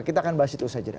kita akan bahas itu saja